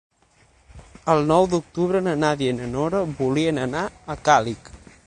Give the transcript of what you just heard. El nou d'octubre na Nàdia i na Nora voldrien anar a Càlig.